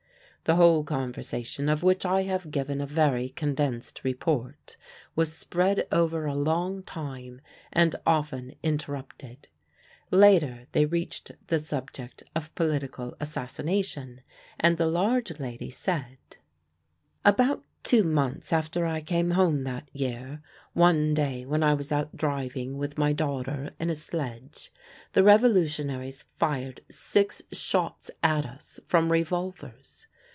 The whole conversation, of which I have given a very condensed report, was spread over a long time, and often interrupted. Later they reached the subject of political assassination, and the large lady said: "About two months after I came home that year, one day when I was out driving with my daughter in a sledge the revolutionaries fired six shots at us from revolvers.